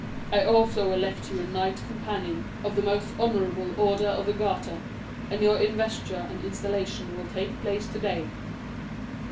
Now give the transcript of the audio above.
I also elect you a knight companion of the most honourable Order of the Garter, and your investiture and installation will take place to day."